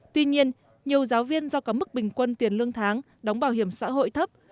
tuy nhiên nhiều giáo viên do có mức bình quân tiền lương tháng đóng bảo hiểm xã hội thấp